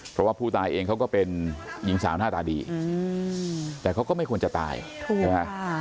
เพราะว่าผู้ตายเองเขาก็เป็นหญิงสาวหน้าตาดีแต่เขาก็ไม่ควรจะตายถูกใช่ไหม